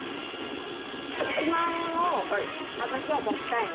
１００万円を私は出したいの。